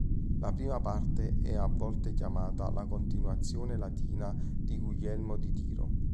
La prima parte è a volte chiamata la "Continuazione latina di Guglielmo di Tiro".